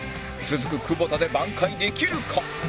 続く久保田で挽回できるか？